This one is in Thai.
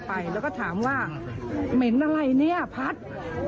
ปรากฏว่าแม่เป็นศพเสียชีวิตแล้ว